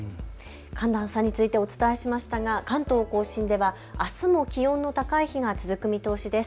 寒暖差についてお伝えしましたが関東甲信ではあすも気温の高い日が続く見通しです。